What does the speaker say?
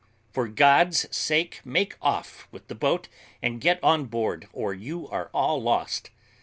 For God's sake make off with the boat, and get on board, or you are all lost.